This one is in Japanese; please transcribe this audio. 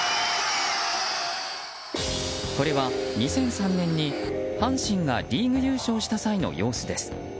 これは２００３年に阪神がリーグ優勝した際の様子です。